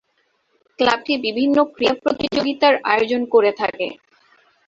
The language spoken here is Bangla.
ক্লাবটি বিভিন্ন ক্রীড়া প্রতিযোগিতার আয়োজন করে থাকে।